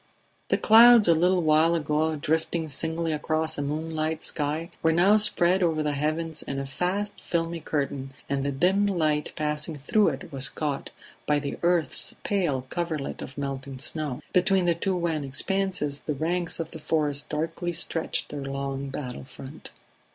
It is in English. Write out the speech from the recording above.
The clouds a little while ago drifting singly across a moonlit sky were now spread over the heavens in a vast filmy curtain, and the dim light passing through it was caught by the earth's pale coverlet of melting snow; between the two wan expanses the ranks of the forest darkly stretched their long battle front.